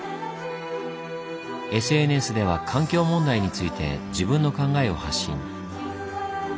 ＳＮＳでは環境問題について自分の考えを発信。